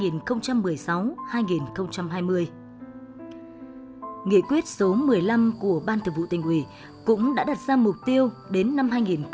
nghị quyết số một mươi năm của ban thường vụ tỉnh ủy cũng đã đặt ra mục tiêu đến năm hai nghìn hai mươi